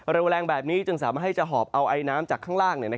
แรงแบบนี้จึงสามารถให้จะหอบเอาไอน้ำจากข้างล่าง